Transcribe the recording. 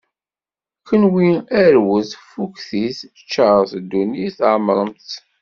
Kenwi, arwet, ffuktit, ččaṛet ddunit tɛemṛem-tt.